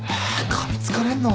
かみつかれんの？